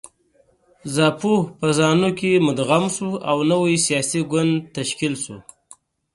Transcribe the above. زاپو په زانو کې مدغم شو او نوی سیاسي ګوند تشکیل شو.